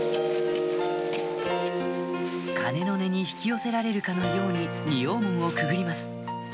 鐘の音に引き寄せられるかのように仁王門をくぐります